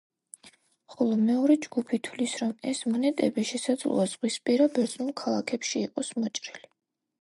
ხოლო მეორე ჯგუფი თვლის, რომ ეს მონეტები შესაძლოა ზღვისპირა ბერძნულ ქალაქებში იყოს მოჭრილი.